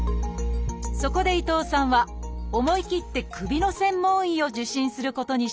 そこで伊藤さんは思い切って首の専門医を受診することにしました。